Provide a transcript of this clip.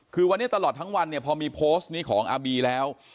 คือวันนี้ตลอดทั้งวันเนี่ยพอมีโพสต์นี้ของอาบีแล้ว